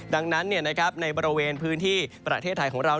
ดังนั้นในบริเวณพื้นที่ประเทศไทยของเรา